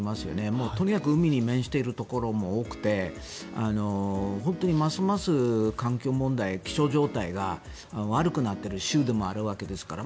もうとにかく海に面しているところも多くて本当にますます環境問題、気象状態が悪くなっている州でもあるわけですから。